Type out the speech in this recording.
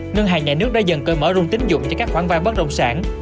ngân hàng nhà nước đã dần cơ mở rung tính dụng cho các khoảng vang bất đồng sản